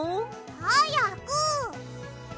はやく。